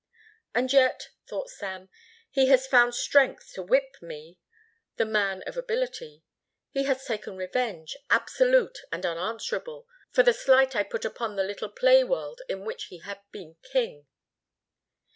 "And yet," thought Sam, "he has found strength to whip me, the man of ability. He has taken revenge, absolute and unanswerable, for the slight I put upon the little play world in which he had been king."